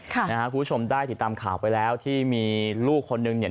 คุณผู้ชมได้ติดตามข่าวที่มีลูกโฉนนึง